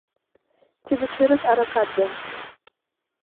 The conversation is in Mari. Тиде чырык аракат ден